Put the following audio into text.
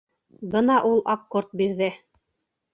Бына ул аккорд бирҙе.